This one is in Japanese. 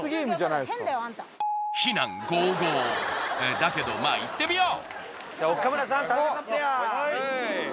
だけど、まあいってみよう！